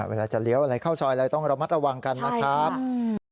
เวลาจะเลี้ยวอะไรเข้าซอยอะไรต้องระมัดระวังกันนะครับ